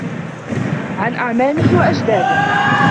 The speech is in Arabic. عَنْ أَعْمَامِهِ وَأَجْدَادِهِ